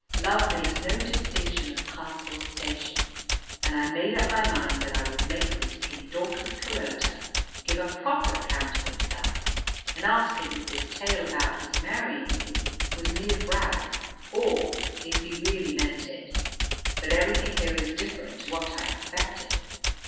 Love makes no distinction of class or station, and I made up my mind that I would make this King Daucus Carota give a proper account of himself, and ask him if this tale about his marrying you was mere brag, or if he really meant it but everything here is different to what I expected.